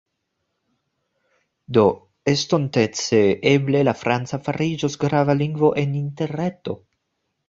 Do estontece, eble, la franca fariĝos grava lingvo en Interreto.